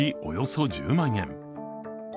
およそ１０万円。